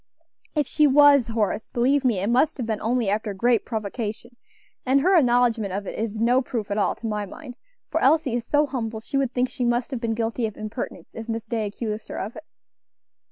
"If she was, Horace, believe me it must have been only after great provocation, and her acknowledgment of it is no proof at all, to my mind; for Elsie is so humble, she would think she must have been guilty of impertinence if Miss Day accused her of it."